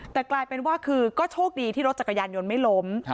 แต่กลายเป็นว่าคือก็โชคดีที่รถจักรยานยนต์ไม่ล้ม